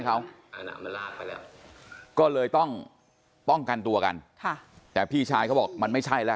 เขาก็เลยต้องป้องกันตัวกันแต่พี่ชายเขาบอกมันไม่ใช่แล้ว